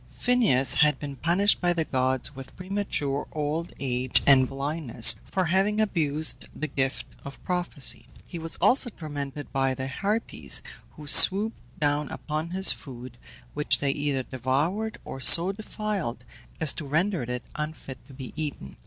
Phineus had been punished by the gods with premature old age and blindness for having abused the gift of prophecy. He was also tormented by the Harpies, who swooped down upon his food, which they either devoured or so defiled as to render it unfit to be eaten.